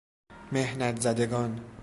محنت زدگان